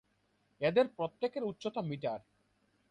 এদের প্রত্যেকের উচ্চতা মিটার।